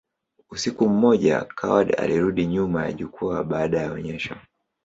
Usiku mmoja, Coward alirudi nyuma ya jukwaa baada ya onyesho.